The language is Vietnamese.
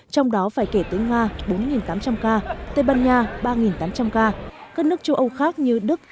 trong đó phải kể tới nga bốn tám trăm linh ca tây ban nha ba tám trăm linh ca các nước châu âu khác như đức